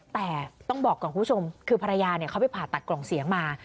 แต่ต้องบอกก่อนคุณผู้ชมคือภรรยาเขาไปผ่าตัดกล่องเสียงมา